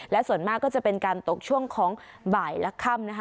และส่วนมากก็จะเป็นการตกช่วงของบ่ายและค่ำนะคะ